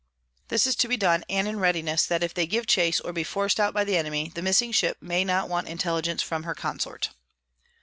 This to be done and in readiness, that if they give Chase, or be forc'd out by the Enemy, the missing Ship may not want Intelligence from her Consort."